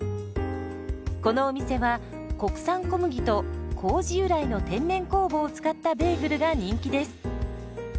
このお店は国産小麦と麹由来の天然酵母を使ったベーグルが人気です。